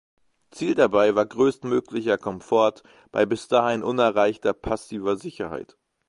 Ziel dabei war größtmöglicher Komfort bei bis dahin unerreichter passiver Sicherheit.